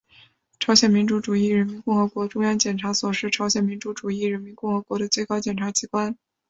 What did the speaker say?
朝鲜民主主义人民共和国中央检察所是朝鲜民主主义人民共和国的最高检察机关。